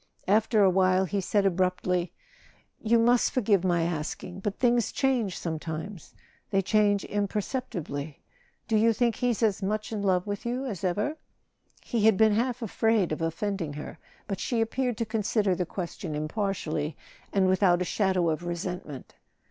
After a while he said ab¬ ruptly: "You must forgive my asking: but things change sometimes—they change imperceptibly. Do you think he's as much in love with you as ever ?" He had been half afraid of offending her: but she appeared to consider the question impartially, and without a shadow of resentment.